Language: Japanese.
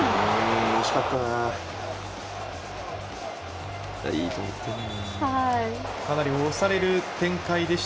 惜しかったな。